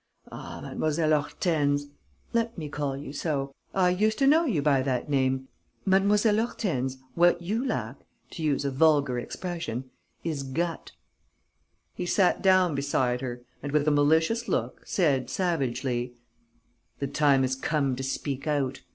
Ah, Mlle. Hortense let me call you so: I used to know you by that name Mlle. Hortense, what you lack, to use a vulgar expression, is gut." He sat down beside her and, with a malicious look, said, savagely: "The time has come to speak out.